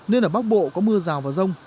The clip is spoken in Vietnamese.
nên ở bắc bộ có mưa rào và rông